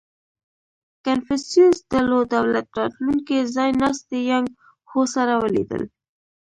• کنفوسیوس د لو دولت راتلونکی ځایناستی یانګ هو سره ولیدل.